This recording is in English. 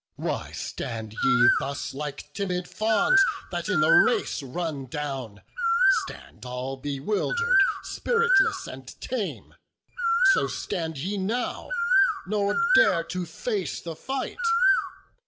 Why stand ye thus Like timid fawns, that in the chase run down, Stand all bewildered, spiritless and tame? So stand ye now, nor dare to face the fight.